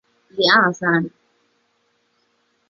可用于攻击坦克装甲车辆及其它硬壁防御工事。